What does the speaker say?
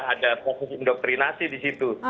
ada proses indoktrinasi di situ